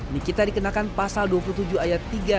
nikita dikenakan pasal dua puluh tujuh ayat tiga